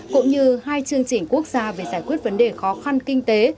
cũng như hai chương trình quốc gia về giải quyết vấn đề khó khăn kinh tế